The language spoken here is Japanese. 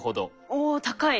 お高い。